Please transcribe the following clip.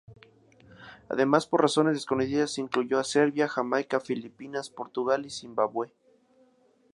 Además, por razones desconocidas, se incluyó a Serbia, Jamaica, Filipinas, Portugal y Zimbabue.